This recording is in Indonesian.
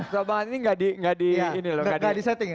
susah banget ini gak di setting